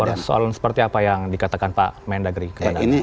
persoalan seperti apa yang dikatakan pak mendagri kepada